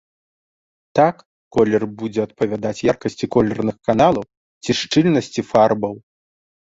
Так, колер будзе адпавядаць яркасці колерных каналаў ці шчыльнасці фарбаў.